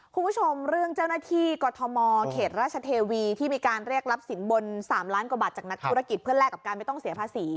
คุณผู้ชมเรื่องเจ้าหน้าที่กรทมเขตราชเทวีที่มีการเรียกรับสินบน๓ล้านกว่าบาทจากนักธุรกิจเพื่อแลกกับการไม่ต้องเสียภาษี